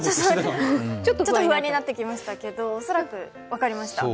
ちょっと不安になってきましたけど恐らく分かりました。